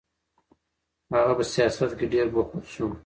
هغه په سیاست کې ډېر بوخت شو.